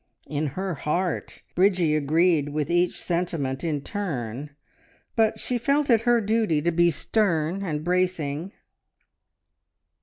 In her heart Bridgie agreed with each sentiment in turn, but she felt it her duty to be stern and bracing.